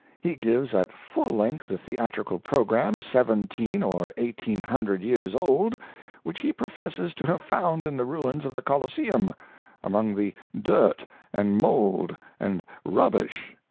He gives at full length the theatrical program, seventeen or eighteen hundred years old, which he professes to have found in the ruins of the Colosseum, among the dirt and mold and rubbish.